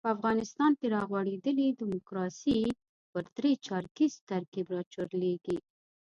په افغانستان کې را غوړېدلې ډیموکراسي پر درې چارکیز ترکیب راچورلېږي.